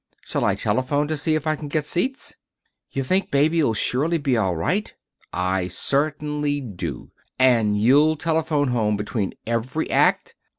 Shall I telephone to see if I can get seats?" "You think Baby'll surely be all right?" "I certainly do." "And you'll telephone home between every act?"